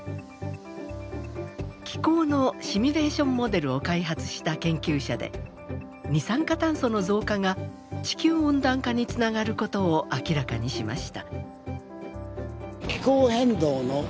気候のシミュレーションモデルを開発した研究者で二酸化炭素の増加が地球温暖化につながることを明らかにしました。